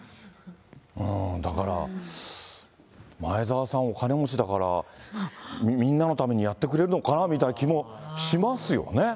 うーん、だから、前澤さん、お金持ちだから、みんなのためにやってくれるのかなみたいな気もしますよね。